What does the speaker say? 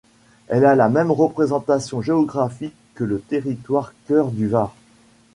Elle a la même représentation géographique que le Territoire Cœur du Var.